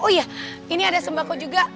oh iya ini ada sembako juga